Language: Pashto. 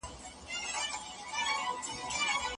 د افغان انجونو لپاره د زده کړو زمینه محدوده سوې ده.